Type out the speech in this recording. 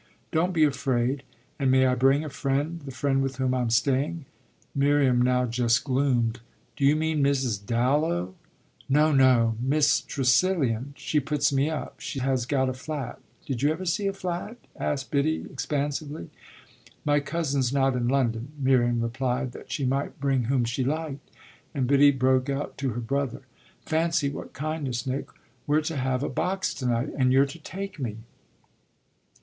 "Don't be afraid. And may I bring a friend the friend with whom I'm staying?" Miriam now just gloomed. "Do you mean Mrs. Dallow?" "No, no Miss Tressilian. She puts me up, she has got a flat. Did you ever see a flat?" asked Biddy expansively. "My cousin's not in London." Miriam replied that she might bring whom she liked and Biddy broke out to her brother: "Fancy what kindness, Nick: we're to have a box to night and you're to take me!"